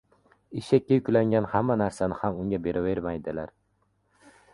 • Eshakka yuklangan hamma narsani ham unga beravermaydilar.